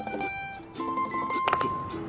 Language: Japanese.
ちょっ。